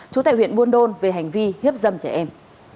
trú tại huyện buôn đôn về hành vi hiếp dâm trẻ em